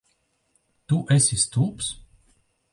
Tu esi stulbs?